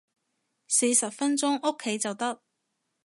四十分鐘屋企就得